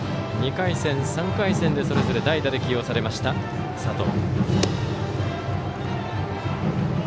２回戦、３回戦でそれぞれ代打で起用されました佐藤。